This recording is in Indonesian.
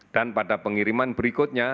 dan pada pengiriman berikutnya